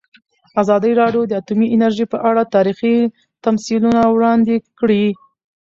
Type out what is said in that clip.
ازادي راډیو د اټومي انرژي په اړه تاریخي تمثیلونه وړاندې کړي.